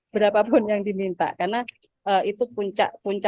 berapapun jatimnya akan diperlukan untuk memenuhi cadangan beras nasional